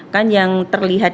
kan yang terlihat